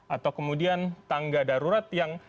atau kemudian tangga darurat